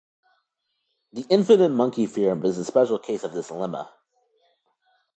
The infinite monkey theorem is a special case of this lemma.